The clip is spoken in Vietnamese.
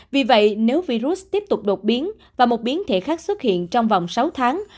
vì vậy nếu virus tiếp tục đột biến và một biến thể khác xuất hiện trong vòng sáu tháng